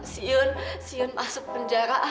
siun siun masuk penjara